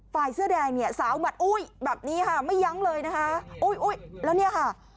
หื้อใครนี่ไม่ไปช่วยเพื่อนอีก